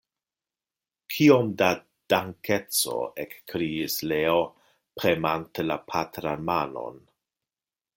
Kiom da dankeco! ekkriis Leo, premante la patran manon.